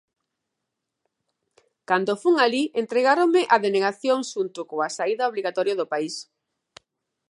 Cando fun alí entregáronme a denegación xunto coa saída obrigatoria do país.